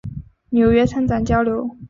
纽约参展交流